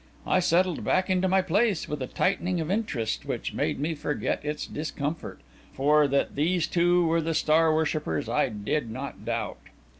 I settled back into my place with a tightening of interest which made me forget its discomfort, for that these were the two star worshippers I did not doubt.